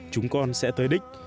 chúng con sẽ tới đích